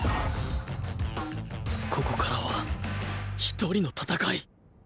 ここからは１人の戦い！